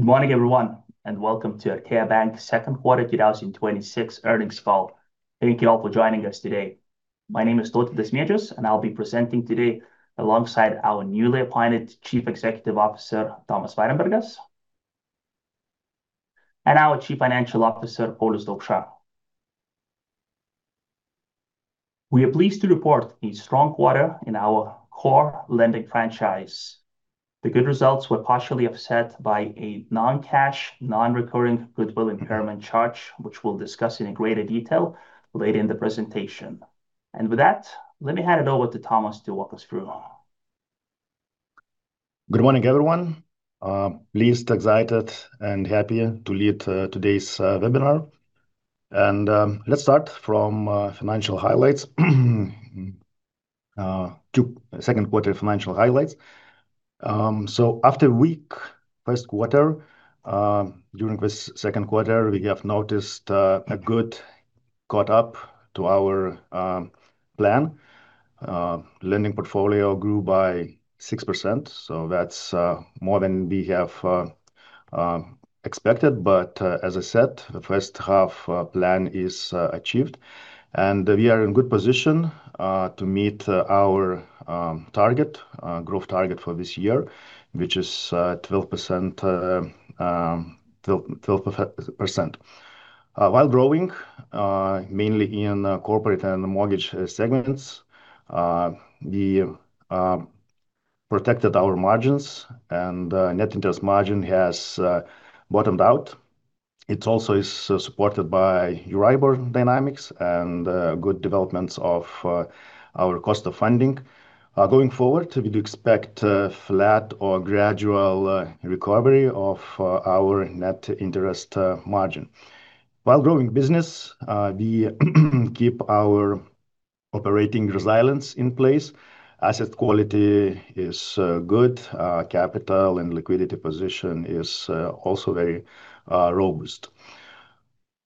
Good morning, everyone, and welcome Artea Bank second quarter 2026 earnings call. Thank you all for joining us today. My name is Tautvydas Mėdžius, and I'll be presenting today alongside our newly appointed Chief Executive Officer, Tomas Varenbergas, and our Chief Financial Officer, Paulius Daukša. We are pleased to report a strong quarter in our core lending franchise. The good results were partially offset by a non-cash, non-recurring goodwill impairment charge, which we'll discuss in a greater detail later in the presentation. With that, let me hand it over to Tomas to walk us through. Good morning, everyone. Pleased, excited, and happy to lead today's webinar. Let's start from financial highlights. Two second quarter financial highlights. After weak first quarter, during this second quarter, we have noticed a good caught up to our plan. Lending portfolio grew by 6%, that's more than we have expected. As I said, the first half plan is achieved, and we are in good position to meet our growth target for this year, which is 12%. While growing, mainly in corporate and mortgage segments, we protected our margins and Net Interest Margin has bottomed out. It also is supported by EURIBOR dynamics and good developments of our cost of funding. Going forward, we do expect a flat or gradual recovery of our Net Interest Margin. While growing business, we keep our operating resilience in place. Asset quality is good. Capital and liquidity position is also very robust.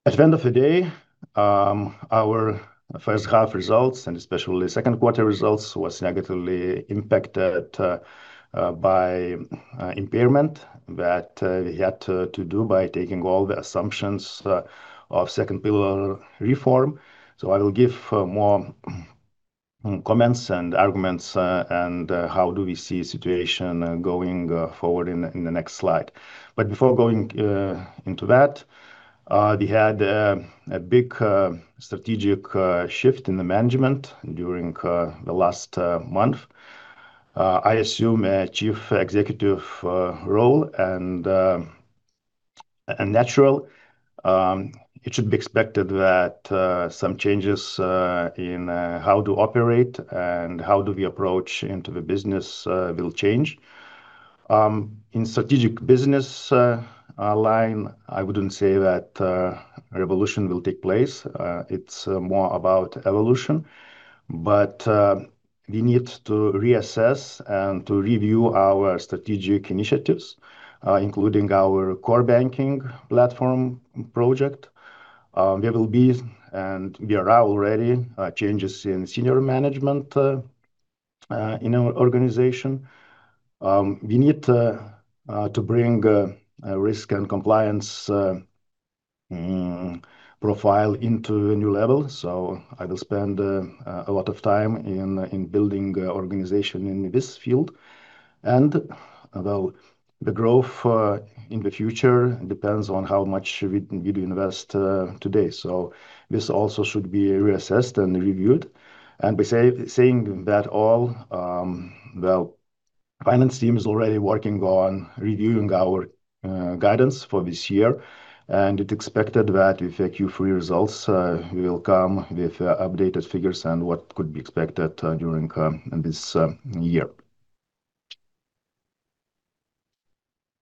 At the end of the day, our first half results and especially second quarter results was negatively impacted by impairment that we had to do by taking all the assumptions of second pillar reform. I will give more comments and arguments, and how do we see situation going forward in the next slide. Before going into that, we had a big strategic shift in the management during the last month. I assume a chief executive role and naturally, it should be expected that some changes in how to operate and how do we approach into the business will change. In strategic business line, I wouldn't say that a revolution will take place. It's more about evolution. We need to reassess and to review our strategic initiatives, including our core banking platform project. There will be, and we are already, changes in senior management in our organization. We need to bring a risk and compliance profile into a new level, I will spend a lot of time in building organization in this field. Well, the growth in the future depends on how much we do invest today. This also should be reassessed and reviewed. By saying that all, well, finance team is already working on reviewing our guidance for this year, and it expected that with the Q3 results, we will come with updated figures and what could be expected during this year.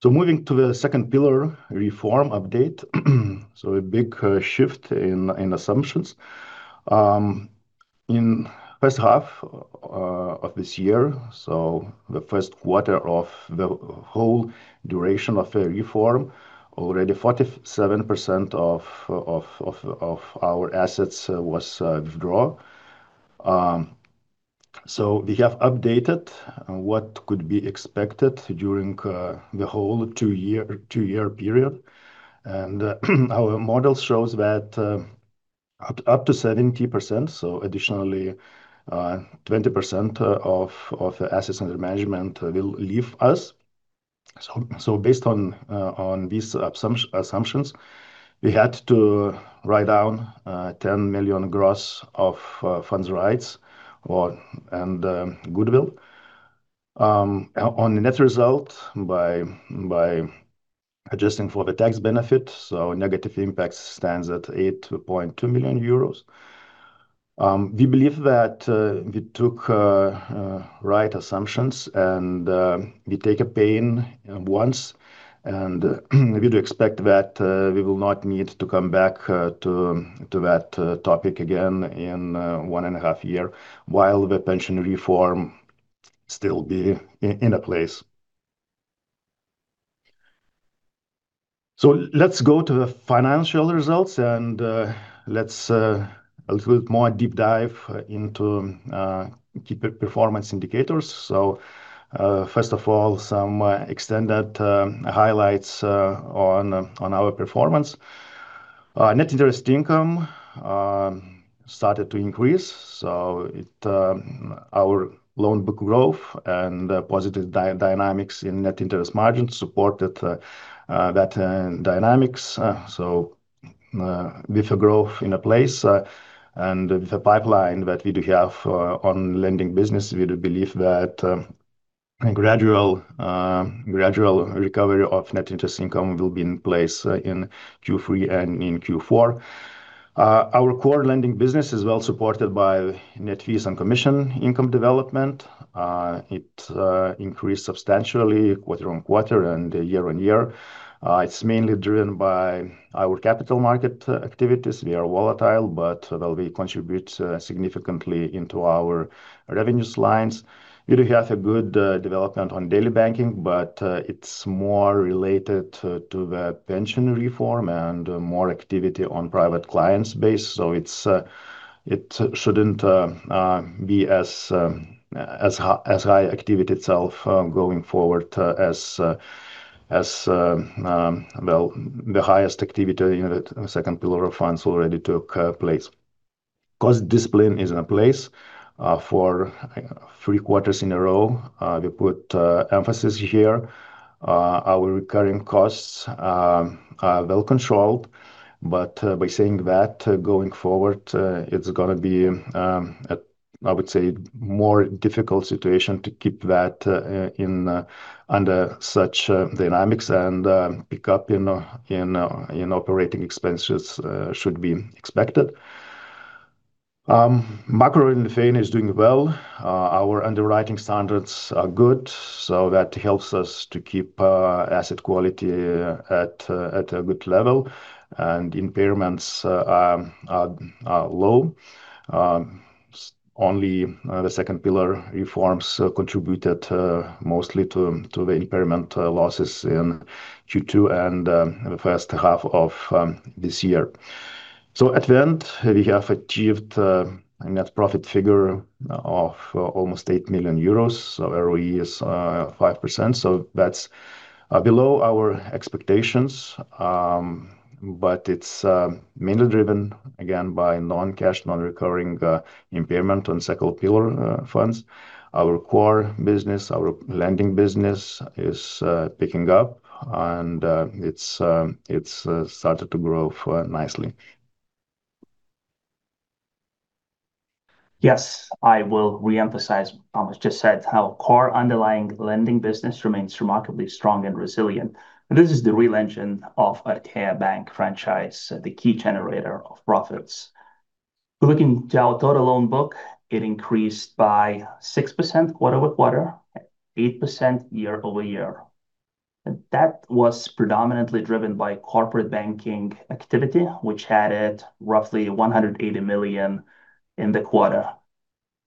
Moving to the second pillar reform update. A big shift in assumptions. In first half of this year, the first quarter of the whole duration of the reform, already 47% of our assets was withdraw. We have updated what could be expected during the whole two-year period, and our model shows that up to 70%, additionally, 20% of assets under management will leave us. Based on these assumptions, we had to write down 10 million gross of fund management rights and goodwill. On the net result, by adjusting for the tax benefit, negative impact stands at 8.2 million euros. We believe that we took right assumptions and we take a pain once, and we do expect that we will not need to come back to that topic again in 1.5 year, while the pension reform still be in place. Let's go to the financial results, and let's do a little more deep dive into key performance indicators. First of all, some extended highlights on our performance. Net Interest Income started to increase. Our loan book growth and positive dynamics in Net Interest Margin supported that dynamics. With the growth in place and with the pipeline that we do have on lending business, we do believe that gradual recovery of Net Interest Income will be in place in Q3 and Q4. Our core lending business is well supported by net fee and commission income development. It increased substantially quarter-on-quarter and year-on-year. It's mainly driven by our capital market activities. We are volatile, but, well, we contribute significantly into our revenues lines. We do have a good development on daily banking, but it's more related to the pension reform and more activity on private clients base. It shouldn't be as high activity itself going forward as the highest activity in the second pillar of funds already took place. Cost discipline is in place for three quarters in a row. We put emphasis here. Our recurring costs are well controlled, but by saying that, going forward, it's going to be, I would say, more difficult situation to keep that under such dynamics and pick up in operating expenses should be expected. Macro in Lithuania is doing well. Our underwriting standards are good, that helps us to keep asset quality at a good level and impairments are low. Only the second pillar reforms contributed mostly to the impairment losses in Q2 and the first half of this year. At the end, we have achieved a net profit figure of almost 8 million euros. ROE is 5%, that's below our expectations, but it's mainly driven, again, by non-cash, non-recurring impairment on second pillar funds. Our core business, our lending business is picking up and it's started to grow nicely. Yes, I will re-emphasize. Tomas just said how core underlying lending business remains remarkably strong and resilient. This is the real engine Artea Bank franchise, the key generator of profits. If we look into our total loan book, it increased by 6% quarter-over-quarter, 8% year-over-year. That was predominantly driven by corporate banking activity, which added roughly 180 million in the quarter.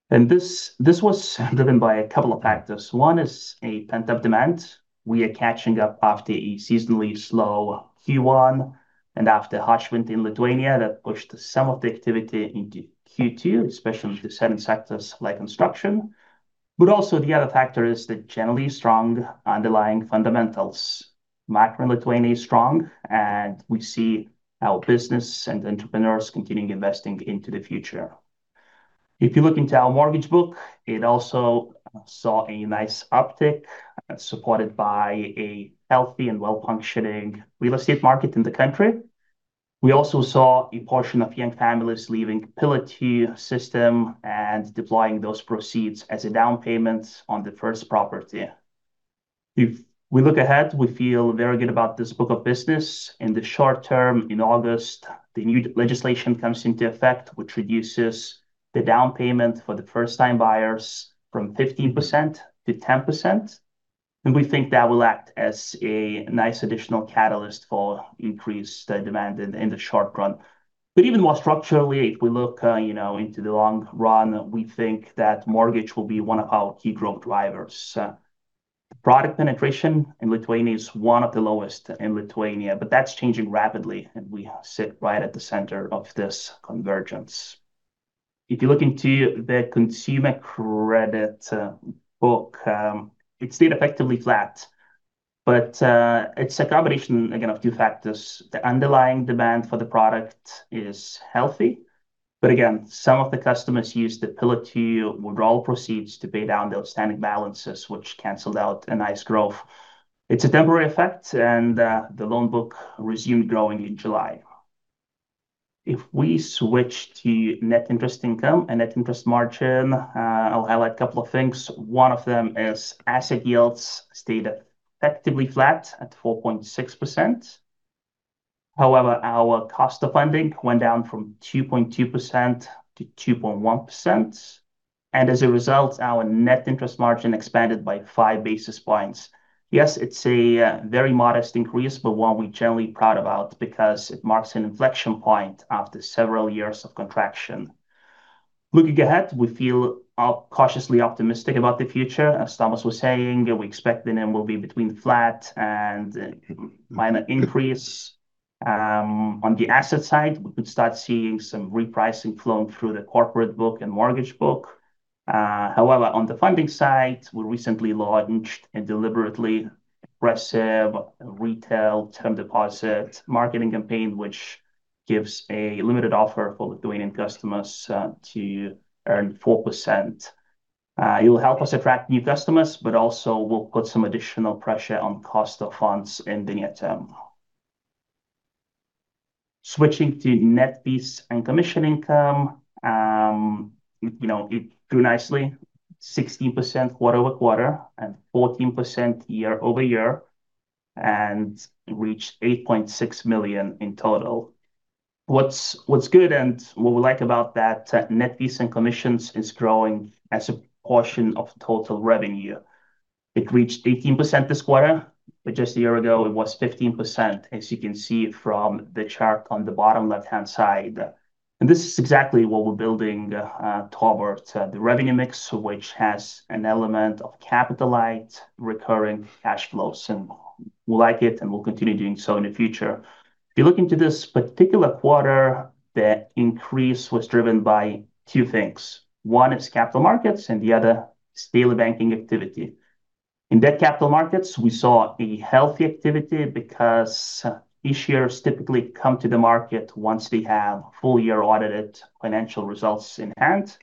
This was driven by a couple of factors. One is a pent-up demand. We are catching up after a seasonally slow Q1 and after harsh winter in Lithuania that pushed some of the activity into Q2, especially to certain sectors like construction. But also the other factor is the generally strong underlying fundamentals. Macro in Lithuania is strong, and we see our business and entrepreneurs continuing investing into the future. If you look into our mortgage book, it also saw a nice uptick supported by a healthy and well-functioning real estate market in the country. We also saw a portion of young families leaving Pillar 2 system and deploying those proceeds as a down payment on the first property. If we look ahead, we feel very good about this book of business. In the short term, in August, the new legislation comes into effect, which reduces the down payment for the first-time buyers from 15% to 10%, and we think that will act as a nice additional catalyst for increased demand in the short run. But even more structurally, if we look into the long run, we think that mortgage will be one of our key growth drivers. The product penetration in Lithuania is one of the lowest in Lithuania, but that's changing rapidly, and we sit right at the center of this convergence. If you look into the consumer credit book, it stayed effectively flat, but it's a combination, again, of two factors. The underlying demand for the product is healthy, but again, some of the customers used the Pillar 2 withdrawal proceeds to pay down the outstanding balances, which canceled out a nice growth. It's a temporary effect and the loan book resumed growing in July. If we switch to Net Interest Income and Net Interest Margin, I'll highlight a couple of things. One of them is asset yields stayed effectively flat at 4.6%. However, our cost of funds went down from 2.2% to 2.1%, and as a result, our Net Interest Margin expanded by 5 basis points. Yes, it's a very modest increase, but one we're generally proud about because it marks an inflection point after several years of contraction. Looking ahead, we feel cautiously optimistic about the future. As Tomas was saying, we expect the NIM will be between flat and minor increase. On the asset side, we could start seeing some repricing flowing through the corporate book and mortgage book. However, on the funding side, we recently launched a deliberately aggressive retail term deposit marketing campaign, which gives a limited offer for Lithuanian customers to earn 4%. It will help us attract new customers, but also will put some additional pressure on cost of funds in the near term. Switching to net fee and commission income. It grew nicely, 16% quarter-over-quarter and 14% year-over-year, and reached 8.6 million in total. What's good and what we like about that Net Fees and Commissions is growing as a portion of total revenue. It reached 18% this quarter, but just a year ago, it was 15%, as you can see from the chart on the bottom left-hand side. This is exactly what we're building towards, the revenue mix, which has an element of capital-light recurring cash flows. We like it, and we'll continue doing so in the future. If you look into this particular quarter, the increase was driven by two things. One is capital markets and the other is daily banking activity. In debt capital markets, we saw a healthy activity because issuers typically come to the market once they have full-year audited financial results in hand.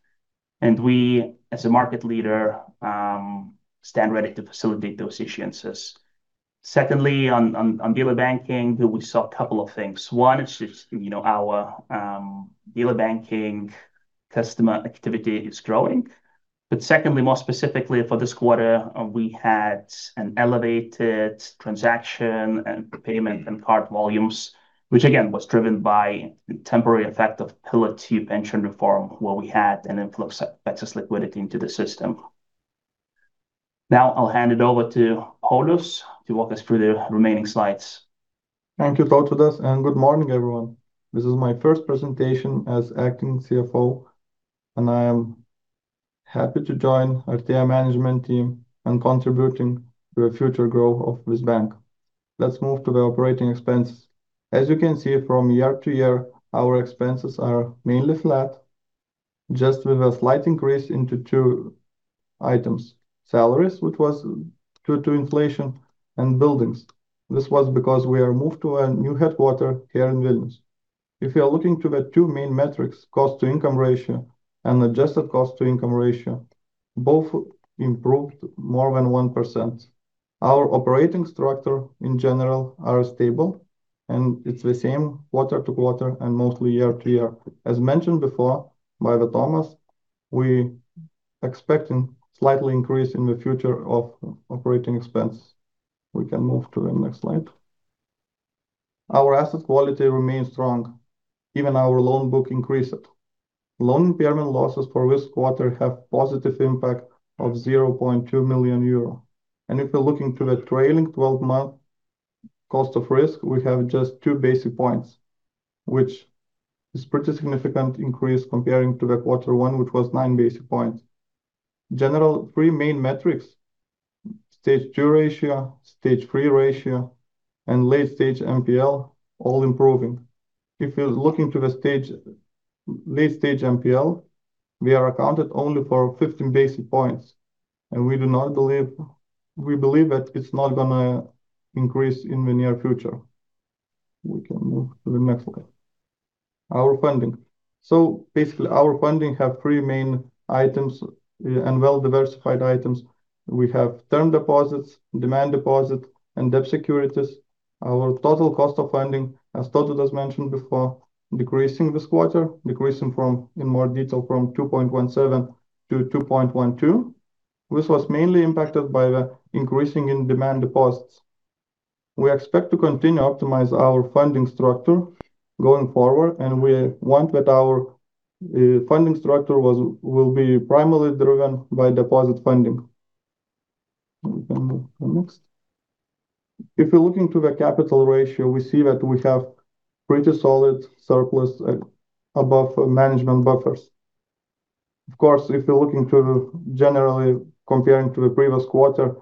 We, as a market leader, stand ready to facilitate those issuances. Secondly, on daily banking, we saw a couple of things. One, our daily banking customer activity is growing. Secondly, more specifically for this quarter, we had an elevated transaction and prepayment and card volumes, which again, was driven by temporary effect of Pillar 2 and pension reform, where we had an influx of excess liquidity into the system. I'll hand it over to Paulius to walk us through the remaining slides. Thank you, Tautvydas, and good morning, everyone. This is my first presentation as acting CFO, and I am happy to join Artea Management Team in contributing to the future growth of this bank. Let's move to the operating expense. As you can see from year-to-year, our expenses are mainly flat, just with a slight increase into two items, salaries, which was due to inflation, and buildings. This was because we are moved to a new headquarter here in Vilnius. If you are looking to the two main metrics, Cost-to-Income Ratio and adjusted Cost-to-Income Ratio, both improved more than 1%. Our operating structure, in general, are stable, and it's the same quarter-to-quarter and mostly year-to-year. As mentioned before by Tomas, we expecting slightly increase in the future of operating expense. We can move to the next slide. Our asset quality remains strong. Even our loan book increased. Loan impairment losses for this quarter have positive impact of 0.2 million euro. If you're looking to the trailing 12-month cost of risk, we have just 2 basis points, which is pretty significant increase comparing to the quarter one, which was 9 basis points. General three main metrics, Stage 2 Ratio, Stage 3 Ratio, and late stage NPL, all improving. If you're looking to the late stage NPL, we are accounted only for 15 basis points, and we believe that it's not going to increase in the near future. We can move to the next slide. Our funding. Basically, our funding have three main items and well-diversified items. We have term deposits, demand deposit, and debt securities. Our total cost of funding, as Tautvydas mentioned before, decreasing this quarter, decreasing in more detail from 2.17% to 2.12%, which was mainly impacted by the increasing in demand deposits. We expect to continue optimize our funding structure going forward, and we want that our funding structure will be primarily driven by deposit funding. We can move to the next. Looking to the capital ratio, we see that we have pretty solid surplus above management buffers. Of course, if you're looking to generally comparing to the previous quarter,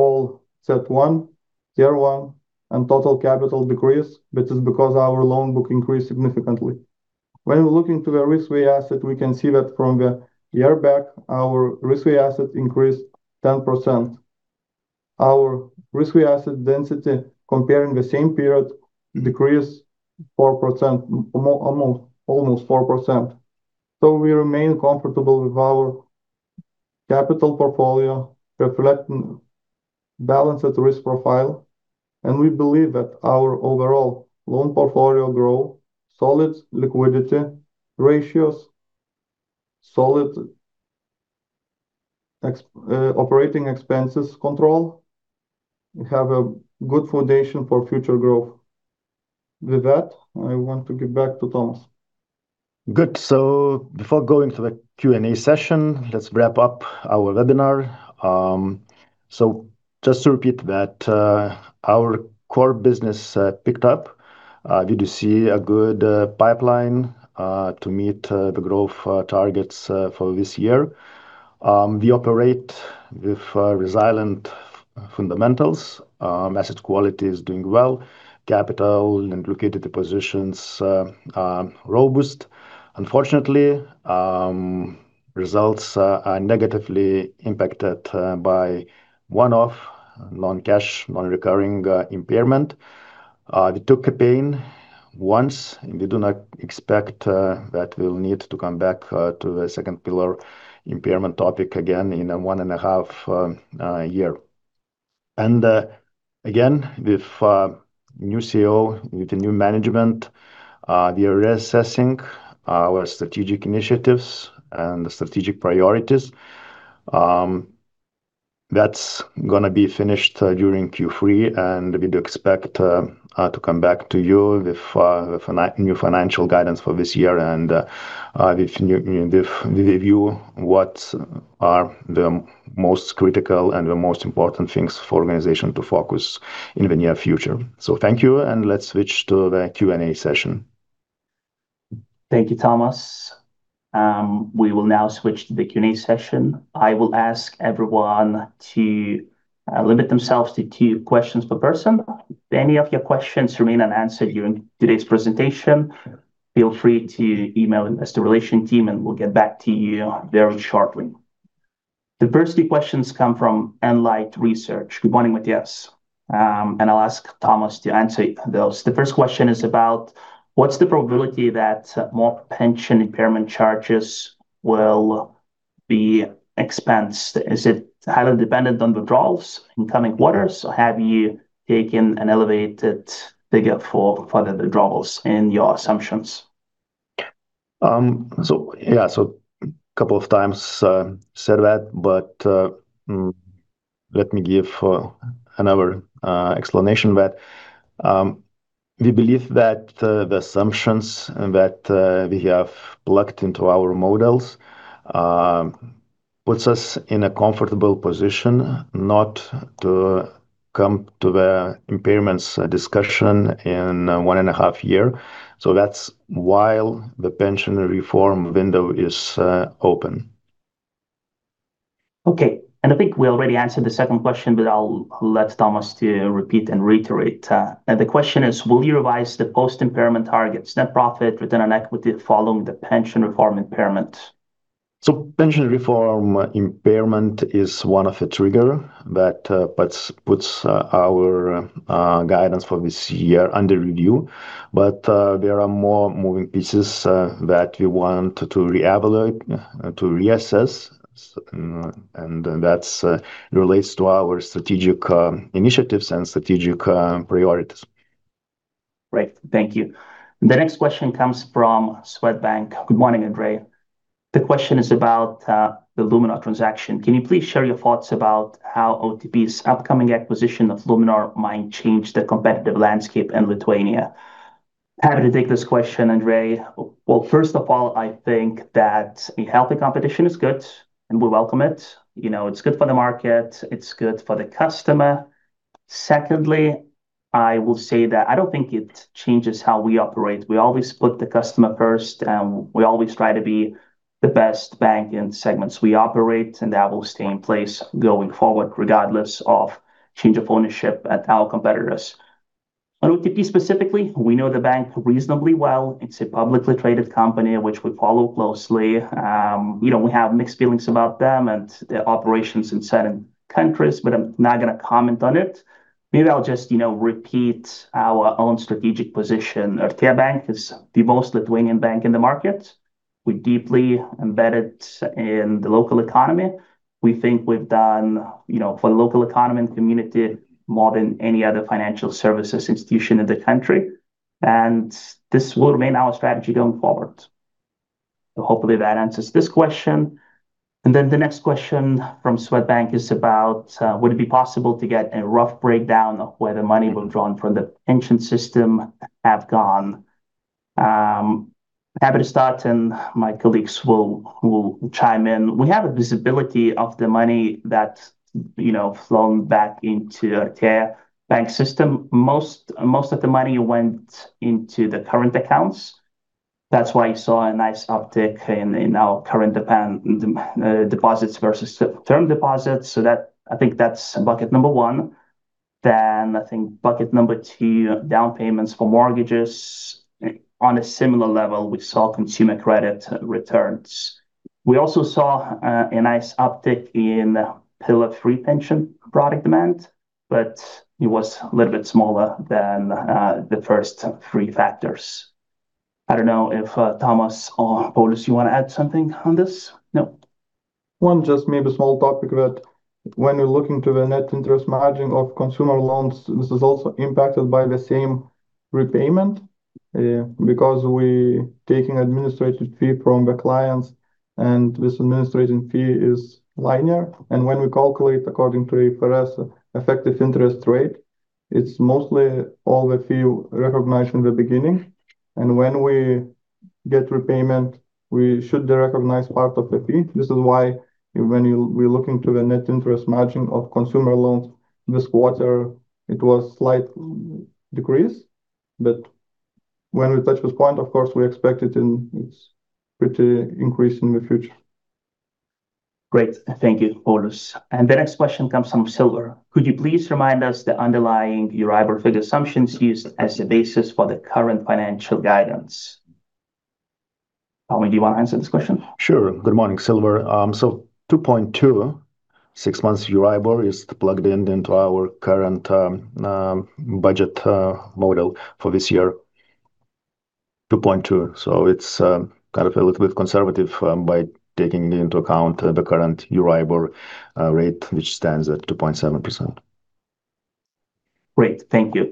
all CET1, Tier 1, and total capital decreased, which is because our loan book increased significantly. When we're looking to the risky asset, we can see that from the year back, our risky asset increased 10%. Our risk asset density, comparing the same period, decreased almost 4%. We remain comfortable with our capital portfolio, reflecting balanced risk profile, and we believe that our overall loan portfolio grow solid liquidity ratios, solid operating expenses control. We have a good foundation for future growth. With that, I want to give back to Tomas. Good. Before going to the Q&A session, let's wrap up our webinar. To repeat that our core business picked up. We do see a good pipeline to meet the growth targets for this year. We operate with resilient fundamentals. Asset quality is doing well, capital and liquidity positions are robust. Unfortunately, results are negatively impacted by one-off non-cash, non-recurring impairment. We took a pain once, and we do not expect that we'll need to come back to the second pillar impairment topic again in a one and a half year. And again, with new CEO, with the new management, we are reassessing our strategic initiatives and the strategic priorities. That's going to be finished during Q3, and we do expect to come back to you with new financial guidance for this year and with a view what are the most critical and the most important things for our organization to focus in the near future. Thank you, and let's switch to the Q&A session. Thank you, Tomas. We will now switch to the Q&A session. I will ask everyone to limit themselves to two questions per person. If any of your questions remain unanswered during today's presentation, feel free to email investor relation team and we'll get back to you very shortly. The first three questions come from Enlight Research. Good morning, Mattias. I'll ask Tomas to answer those. The first question is about what's the probability that more pension impairment charges will be expensed? Is it highly dependent on withdrawals in coming quarters, or have you taken an elevated figure for further withdrawals in your assumptions? Yeah, so couple of times said that, but let me give another explanation that we believe that the assumptions that we have plugged into our models puts us in a comfortable position not to come to the impairments discussion in one and a half year. That's while the pension reform window is open. Okay. I think we already answered the second question, but I'll let Tomas to repeat and reiterate. The question is, will you revise the post-impairment targets, net profit return on equity following the pension reform impairment? Pension reform impairment is one of the trigger that puts our guidance for this year under review. There are more moving pieces that we want to reevaluate, to reassess, and that relates to our strategic initiatives and strategic priorities. Great. Thank you. The next question comes from Swedbank. Good morning, Andrej. The question is about the Luminor transaction. Can you please share your thoughts about how OTP's upcoming acquisition of Luminor might change the competitive landscape in Lithuania? Happy to take this question, Andrej. First of all, I think that a healthy competition is good, and we welcome it. It's good for the market. It's good for the customer. Secondly, I will say that I don't think it changes how we operate. We always put the customer first, and we always try to be the best bank in segments we operate, and that will stay in place going forward, regardless of change of ownership at our competitors. On OTP specifically, we know the bank reasonably well. It's a publicly traded company, which we follow closely. We have mixed feelings about them and their operations in certain countries. I'm not going to comment on it. Maybe I'll just repeat our own strategic position. Artea Bank is the most Lithuanian bank in the market. We're deeply embedded in the local economy. We think we've done for the local economy and community more than any other financial services institution in the country, and this will remain our strategy going forward. Hopefully, that answers this question. The next question from Swedbank is about, would it be possible to get a rough breakdown of where the money withdrawn from the pension system have gone? Happy to start, and my colleagues will chime in. We have a visibility of the money that flown back into Artea Bank system. Most of the money went into the current accounts. That's why you saw a nice uptick in our current deposits versus term deposits. I think that's bucket number one. I think bucket number two, down payments for mortgages. On a similar level, we saw consumer credit returns. We also saw a nice uptick in Pillar 3 pension product demand, it was a little bit smaller than the first three factors. I don't know if, Tomas or Paulius, you want to add something on this? No. One just maybe small topic that when we are looking to the Net Interest Margin of consumer loans, this is also impacted by the same repayment because we taking administrative fee from the clients, and this administrative fee is linear. When we calculate according to IFRS effective interest rate, it is mostly all the fee recognized in the beginning. When we get repayment, we should recognize part of the fee. This is why when we look into the Net Interest Margin of consumer loans this quarter, it was slight decrease. When we touch this point, of course, we expect it in its pretty increase in the future. Great. Thank you, Paulius. The next question comes from Silver. Could you please remind us the underlying EURIBOR feed assumptions used as the basis for the current financial guidance? Tomas, do you want to answer this question? Sure. Good morning, Silver. 2.2 six months EURIBOR is plugged in into our current budget model for this year, 2.2. It is kind of a little bit conservative by taking into account the current EURIBOR rate, which stands at 2.7%. Great. Thank you.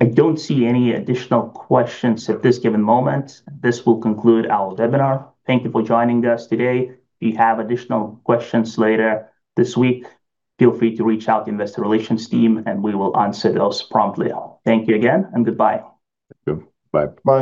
I don't see any additional questions at this given moment. This will conclude our webinar. Thank you for joining us today. If you have additional questions later this week, feel free to reach out to investor relations team, we will answer those promptly. Thank you again and goodbye. Thank you. Bye. Bye